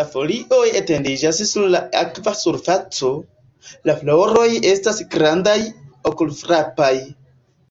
La folioj etendiĝas sur la akva surfaco, la floroj estas grandaj, okulfrapaj.